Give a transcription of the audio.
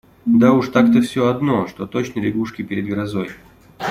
Да уж так-то всё одно, что точно лягушки перед грозой.